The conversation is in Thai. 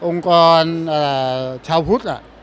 องค์กรชาวพุทธ